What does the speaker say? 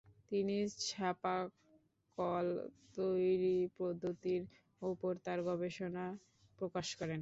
তিনি ছাপাকল তৈরি পদ্ধতির উপর তার গবেষণা প্রকাশ করেন।